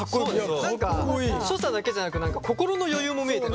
何か所作だけじゃなく心の余裕も見えた。